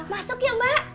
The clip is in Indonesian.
masuk ya mbak